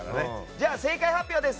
じゃあ正解発表です。